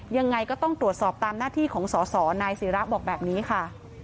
ยังไงก็ต้องตรวจสอบตามหน้าที่ของสอสอนายศิราบอกแบบนี้ค่ะ